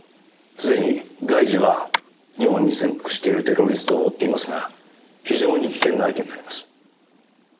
すでに外事は日本に潜伏しているテロリストを追っていますが非常に危険な相手になります。